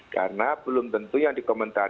karena belum tentu yang dikomentari